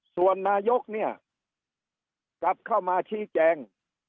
ส่วนนายกเนี่ยกลับเข้ามาชี้แจง